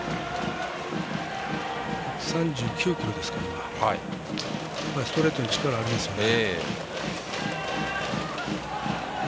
１３９キロストレートに力ありますよね。